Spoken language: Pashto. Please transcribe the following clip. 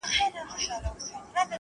نن هغه اور د ابا پر مېنه بل دئ،